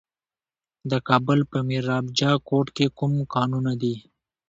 د کابل په میربچه کوټ کې کوم کانونه دي؟